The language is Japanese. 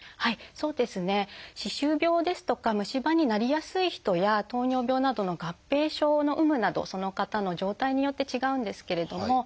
そうですね歯周病ですとか虫歯になりやすい人や糖尿病などの合併症の有無などその方の状態によって違うんですけれども。